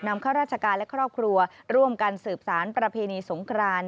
ข้าราชการและครอบครัวร่วมกันสืบสารประเพณีสงคราน